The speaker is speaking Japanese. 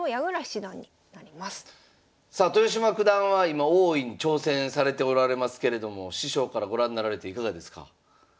さあ豊島九段は今王位に挑戦されておられますけれども師匠からご覧なられていかがですか？